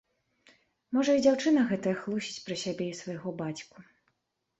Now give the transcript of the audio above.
Можа і дзяўчына гэтая хлусіць пра сябе і свайго бацьку.